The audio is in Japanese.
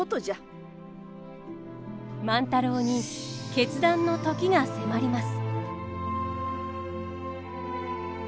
万太郎に決断の時が迫ります。